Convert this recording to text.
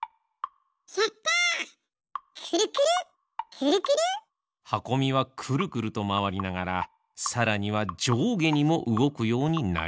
くるくる！はこみはくるくるとまわりながらさらにはじょうげにもうごくようになりました。